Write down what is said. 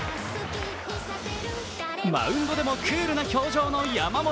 マウンドでもクールな表情の山本。